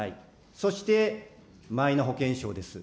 そしてマイナ保険証です。